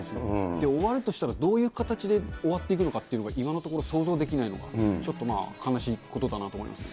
終わるとしたら、どういう形で終わっていくのかっていうのが、今のところ想像できないと、ちょっと悲しいことかなと思いますね。